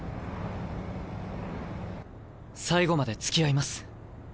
最後まで付き合います。